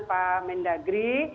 pak men dagri